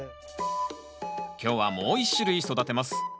今日はもう一種類育てます。